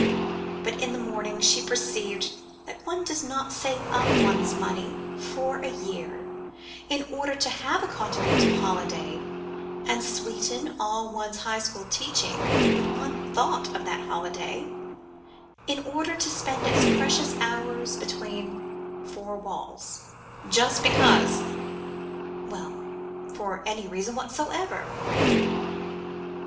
But in the morning she perceived that one does not save up one's money for a year in order to have a Continental holiday, and sweeten all one's High school teaching with one thought of that holiday, in order to spend its precious hours between four walls, just because well, for any reason whatsoever.